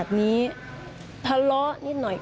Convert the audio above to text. ที่ประกัน